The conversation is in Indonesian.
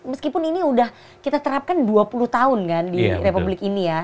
meskipun ini sudah kita terapkan dua puluh tahun kan di republik ini ya